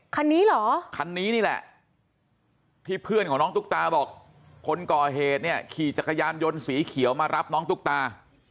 คันนี้เหรอคันนี้นี่แหละที่เพื่อนของน้องตุ๊กตาบอกคนก่อเหตุเนี่ยขี่จักรยานยนต์สีเขียวมารับน้องตุ๊กตา